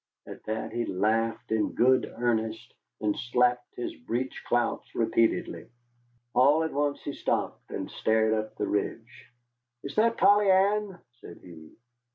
At that he laughed in good earnest, and slapped his breech clouts repeatedly. All at once he stopped, and stared up the ridge. "Is that Polly Ann?" said he.